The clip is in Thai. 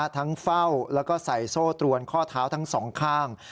เฝ้าแล้วก็ใส่โซ่ตรวนข้อเท้าทั้งสองข้าง